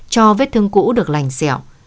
cho vết thương cũ được lành dẻo